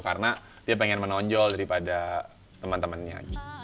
karena dia pengen menonjol daripada teman temannya